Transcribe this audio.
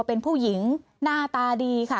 เป็นผู้หญิงหน้าตาดีค่ะ